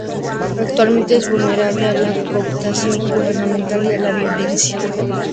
Actualmente es vulnerable a la cooptación gubernamental y a la violencia.